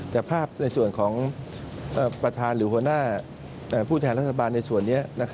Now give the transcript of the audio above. แต่ภาพในส่วนของประธานหรือหัวหน้าผู้แทนรัฐบาลในส่วนนี้